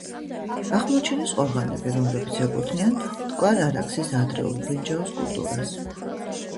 აღმოაჩინეს ყორღანები, რომლებიც ეკუთვნიან მტკვარ-არაქსის ადრეულ ბრინჯაოს კულტურას.